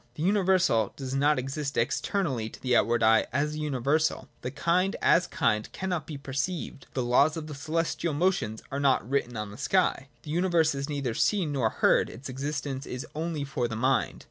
The universal does not | exist externally to the outward eye as a universal. The kind ! as kind cannot be perceived : the laws of the celestial motions j are not written on the sky. The universal is neither seen I nor heard, its existence is only for the mind.